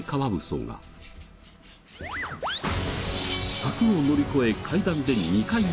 柵を乗り越え階段で２階へ。